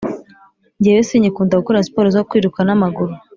Njyewe sinyikunda gukora siporo zo kwiruka n’amaguru